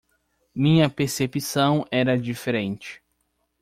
Minha percepção era diferente